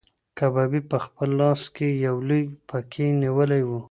کبابي په خپل لاس کې یو لوی پکی نیولی و.